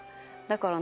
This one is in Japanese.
だから。